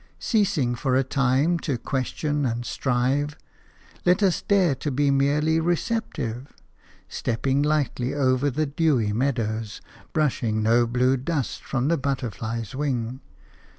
Ceasing for a time to question and strive, let us dare to be merely receptive – stepping lightly over the dewy meadows, brushing no blue dust from the butterfly's wing.